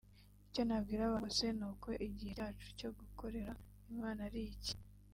Icyo nabwira abantu bose ni uko igihe cyacu cyo gukorera Imana ari iki